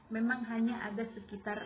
memang hanya ada sekitar